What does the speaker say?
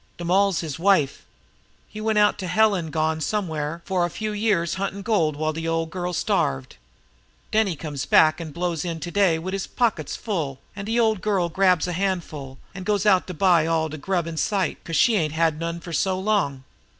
De moll's his wife. He went out to hell an' gone somewhere for a few years huntin' gold while de old girl starved. Den back he comes an' blows in to day wid his pockets full, an' de old girl grabs a handful, an' goes out to buy up all de grub in sight 'cause she ain't had none for so long.